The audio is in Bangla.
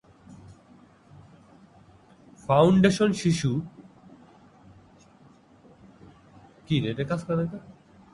ফাউন্ডেশন শিশু ও তরুণদের মধ্যে যারা শোষণ থেকে বেঁচে আছে বা এখনও ঝুঁকিতে আছে তাদের সহায়তা করে।